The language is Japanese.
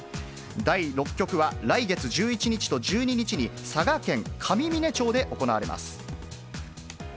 第６局は来月１１日と１２日に、佐賀県上峰町で行われます。